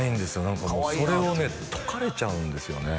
何かそれをね解かれちゃうんですよね